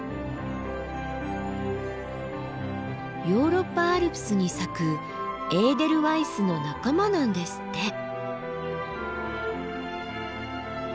ヨーロッパアルプスに咲くエーデルワイスの仲間なんですって。